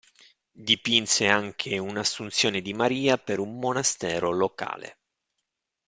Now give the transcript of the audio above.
Dipinse anche un"'Assunzione di Maria" per un monastero locale.